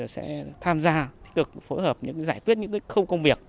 sẽ tham gia thích cực phối hợp giải quyết những không công việc